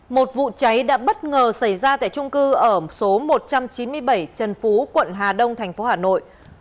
một vụ cháy đã bất ngờ xảy ra tại trung cư ở số một trăm chín mươi bảy trần phú quận hà đông thành phố hà nội